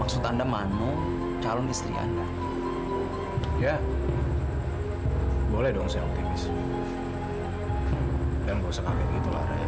sampai jumpa di video selanjutnya